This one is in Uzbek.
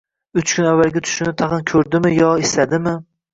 Uch kun avvalgi tushini tag‘in ko‘rdimi yo es-ladimi?